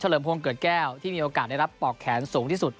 เลิมพงศ์เกิดแก้วที่มีโอกาสได้รับปอกแขนสูงที่สุด